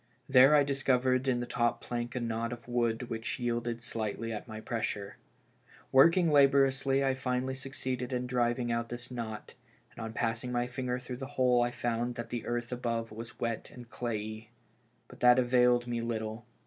There I discovered in the top plank a knot in the wood which yielded slightly at my pressure. Working laboriously I finally succeeded in driving out this knot, and on passing my finger through the hole I found that the earth above was wet and clayey. But that availed me little.